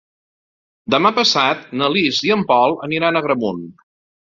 Demà passat na Lis i en Pol aniran a Agramunt.